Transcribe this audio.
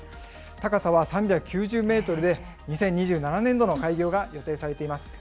高さは３９０メートルで、２０２７年度の開業が予定されています。